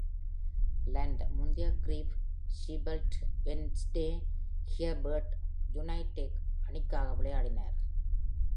Lund முந்தைய Crewe, Sheffield Wednesday, Hereford United அணிக்காக விளையாடினார்.